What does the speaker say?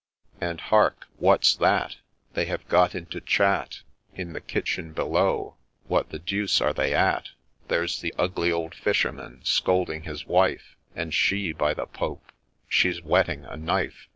And hark !— what 's that ?— They have got into chat In the kitchen below — what the deuce are they at ?— There 's the ugly old fisherman scolding his wife — And she !— by the Pope I she 'a whetting a knife